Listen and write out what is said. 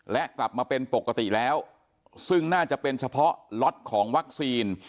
และกลับมาเป็นปกติแล้วซึ่งน่าจะเป็นเฉพาะล็อตของวัคซีน